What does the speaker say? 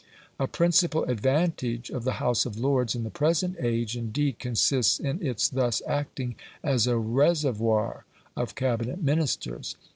A principal advantage of the House of Lords in the present age indeed consists in its thus acting as a reservoir of Cabinet Ministers.